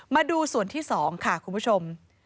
มาดูส่วนที่๒ค่ะคุณผู้ชม